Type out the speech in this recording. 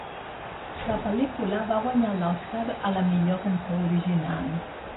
La pel·lícula va guanyar l'Oscar a la millor cançó original.